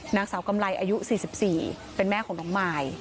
นางสาวกำไรอายุ๔๔เป็นแม่ของน้องมาย